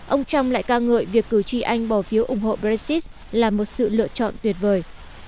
ông trump lại ca ngợi việc cử tri anh bỏ phiếu ủng hộ brexit là một sự lựa chọn tuyệt vời